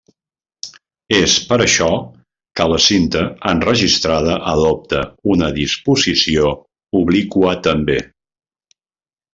És per això que la cinta enregistrada adopta una disposició obliqua també.